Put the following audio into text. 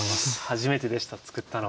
初めてでした作ったの。